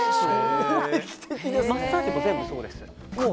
マッサージも全部そうです。